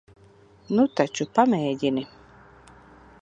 Nu taču, pamēģini.